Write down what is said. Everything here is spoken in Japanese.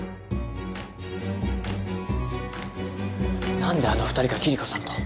何であの２人がキリコさんと。